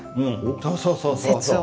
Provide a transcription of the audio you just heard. そうそうそうそう。